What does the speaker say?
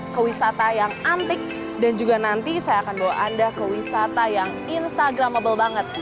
ke wisata yang antik dan juga nanti saya akan bawa anda ke wisata yang instagramable banget